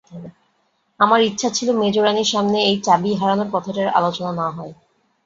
আমার ইচ্ছা ছিল মেজোরানীর সামনে এই চাবি-হারানোর কথাটার আলোচনা না হয়।